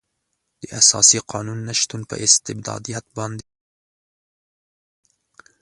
د اساسي قانون نشتون په استبدادیت باندې اوړي.